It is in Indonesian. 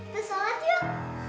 kita sholat yuk